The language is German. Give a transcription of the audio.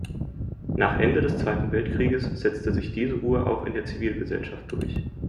Nach Ende des Zweiten Weltkrieges setzte sich diese Uhr auch in der Zivilgesellschaft durch.